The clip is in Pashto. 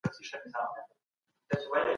کله به حکومت صادرات په رسمي ډول وڅیړي؟